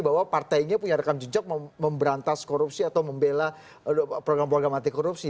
bahwa partainya punya rekam jejak memberantas korupsi atau membela program program anti korupsi